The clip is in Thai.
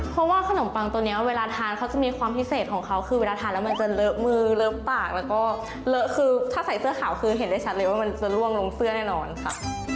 เพราะว่าขนมปังตัวนี้เวลาทานเขาจะมีความพิเศษของเขาคือเวลาทานแล้วมันจะเลอะมือเลอะปากแล้วก็เลอะคือถ้าใส่เสื้อขาวคือเห็นได้ชัดเลยว่ามันจะล่วงลงเสื้อแน่นอนค่ะ